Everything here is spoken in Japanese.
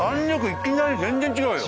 いきなり全然違うよ。